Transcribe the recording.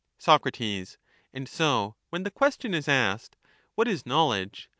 difference 1 Soc, And so, when the question is asked. What is know ledge